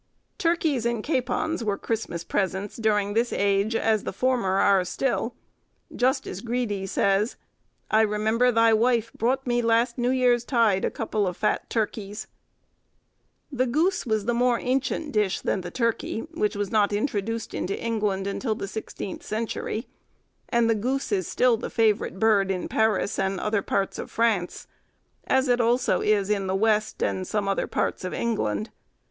Turkeys and capons were Christmas presents during this age, as the former are still: Justice Greedy says,— "...... I remember thy wife brought me, Last New Year's tide, a couple of fat turkeys." The goose was the more ancient dish than the turkey, which was not introduced into England until the sixteenth century, and the goose is still the favourite bird in Paris and other parts of France, as it also is in the west and some other parts of England.